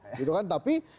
sudah ada contohnya tapi